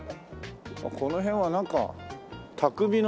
この辺はなんか匠の技の。